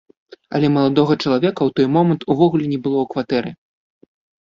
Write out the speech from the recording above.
Але маладога чалавека ў той момант увогуле не было ў кватэры.